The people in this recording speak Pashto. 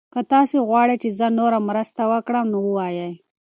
که تاسي غواړئ چې زه نوره مرسته وکړم نو ووایئ.